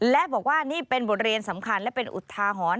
และบอกว่านี่เป็นบทเรียนสำคัญและเป็นอุทาหรณ์